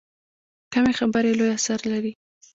کمې خبرې، لوی اثر لري.